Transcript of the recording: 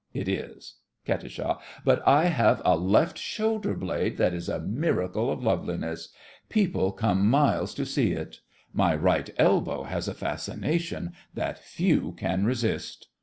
It is. KAT. But I have a left shoulder blade that is a miracle of loveliness. People come miles to see it. My right elbow has a fascination that few can resist.